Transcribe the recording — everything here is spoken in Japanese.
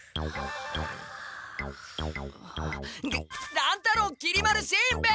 乱太郎きり丸しんべヱ！